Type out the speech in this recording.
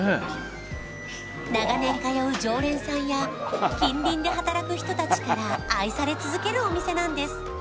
長年通う常連さんや近隣で働く人たちから愛され続けるお店なんです